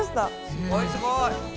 すごいすごい！